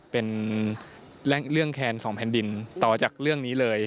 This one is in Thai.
เป็นเรื่องแคนสองแผ่นดินต่อจากเรื่องนี้เลย